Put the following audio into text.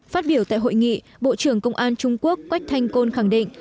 phát biểu tại hội nghị bộ trưởng công an trung quốc quách thanh côn khẳng định